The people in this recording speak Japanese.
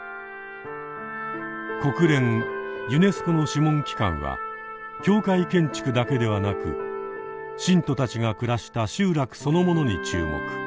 国連・ユネスコの諮問機関は教会建築だけではなく信徒たちが暮らした集落そのものに注目。